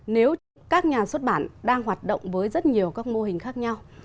nếu các nhà xuất bản đang hoạt động với rất nhiều các mô hình khác nhau